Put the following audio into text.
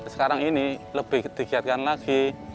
sekarang ini lebih digiatkan lagi